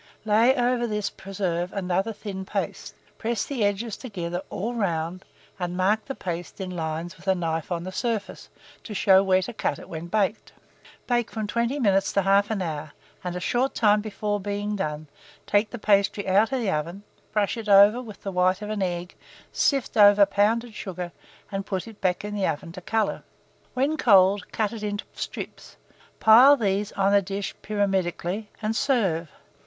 Lay over this preserve another thin paste; press the edges together all round; and mark the paste in lines with a knife on the surface, to show where to cut it when baked. Bake from 20 minutes to 1/2 hour; and, a short time before being done, take the pastry out of the oven, brush it over with the white of an egg, sift over pounded sugar, and put it back in the oven to colour. When cold, cut it into strips; pile these on a dish pyramidically, and serve.